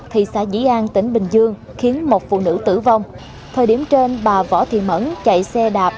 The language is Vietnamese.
thị xã dĩ an tỉnh bình dương khiến một phụ nữ tử vong thời điểm trên bà võ thị mẫn chạy xe đạp